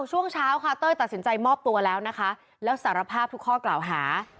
ช่วงเช้าค่ะเต้ยตัดสินใจมอบตัวแล้วนะคะแล้วสารภาพทุกข้อกล่าวหา